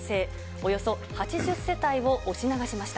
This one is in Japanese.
およそ８０世帯を押し流しました。